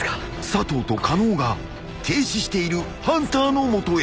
［佐藤と狩野が停止しているハンターの元へ］